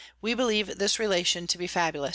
we believe this Relation to be fabulous.